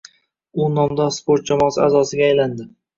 U nomdor sport jamoasi a’zosiga aylandi.